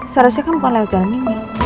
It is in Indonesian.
seharusnya kan bukan lewat jalan ini